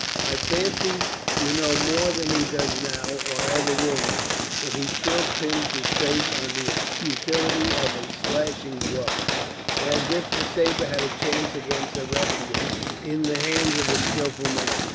I fancy you know more than he does now, or ever will know; for he still pins his faith on the utility of a slashing blow, as if the sabre had a chance against a rapier, in the hands of a skilful man.